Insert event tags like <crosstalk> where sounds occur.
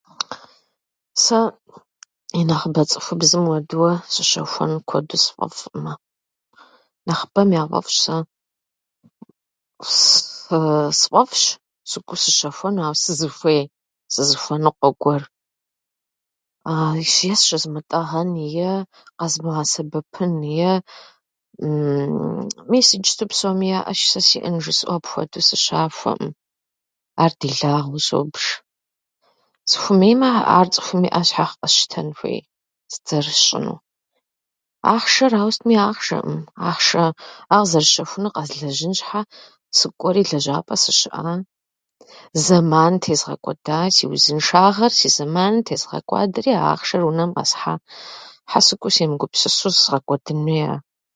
Сэ инэхъыбэ цӏыхубзым уэдурэ сыщэхуэну куэду сфӏэфӏкъымэ. Нэхъыбэм яфӏэфӏщ. Сэ сы- сфӏэфӏщ сыкӏуэу сыщэхуэну, ауэ сызыхуей, сызыхуэныкъуэ гуэр. <hesitation> е зыщызмытӏэгъэну, е къэзмыгъэсэбэпыну, е <hesitation> мис иджыпсту псоми яӏэщи, сэ сиӏэкъым жысӏэу, апхуэдэу сыщахуэкъым. Ар делагъэу собж. Сыхуэмеймэ, ар цӏыхум иӏэ щхькӏэ щхьэ къэсщтэн хуей? Сыт зэрысщӏынур? Ахъшэр ауэ сытми ахшэкъым. Ар къызэрысщэхуну ахъшэр къэзлэжьын щхьэ сыкӏуэри лэжьапӏэ сыщыӏа, зэман тезгъэкӏуэда. Си узыншагъэр, си зэманыр тезгъэкӏуадэри а ахъшэр унэм къэсхьа. Хьэ сыкӏуэу семыгупсысу згъэкӏуэдын хуей ар?